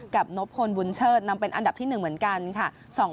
นบพลบุญเชิดนำเป็นอันดับที่๑เหมือนกันค่ะ